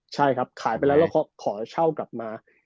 ใช่ครับขายไปแล้วแล้วก็ขอเช่ากลับมา